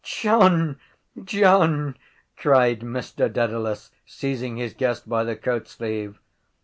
—John! John! cried Mr Dedalus, seizing his guest by the coat sleeve.